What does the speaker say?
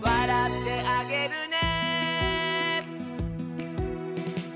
「おどってあげるね」